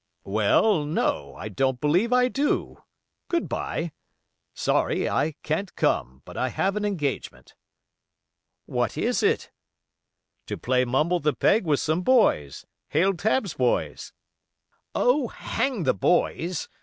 "Well, no, I don't believe I do. Good by. Sorry I can't come; but I have an engagement." "What is it?" "To play mumble the peg with some boys: Haile Tabb's boys." "Oh! hang the boys!